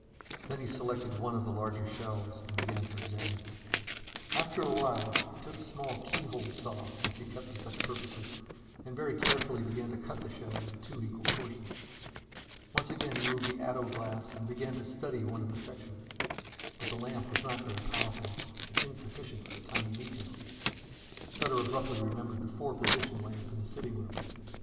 Then he selected one of the larger shells and began to examine it. After a while he took a small keyhole saw which he kept for such purposes, and very carefully began to cut the shell into two equal portions. Once again he moved the ato glass and began to study one of the sections. But the lamp was not very powerful, and insufficient for the tiny details. Sutter abruptly remembered the four position lamp in the sitting room.